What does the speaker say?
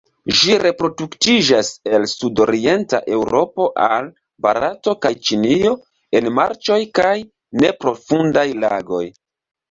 Ĝi reproduktiĝas el sudorienta Eŭropo al Barato kaj Ĉinio en marĉoj kaj neprofundaj lagoj.